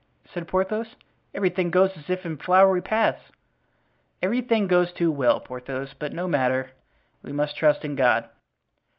said Porthos. "Everything goes as if in flowery paths." "Everything goes too well, Porthos. But no matter; we must trust in God."